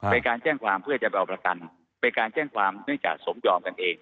เป็นการแจ้งความเพื่อจะไปเอาประกันเป็นการแจ้งความเนื่องจากสมยอมกันเอง